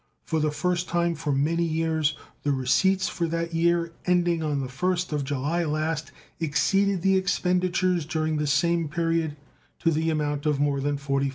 For the first time for many years the receipts for the year ending on the first of July last exceeded the expenditures during the same period to the amount of more than $45,000.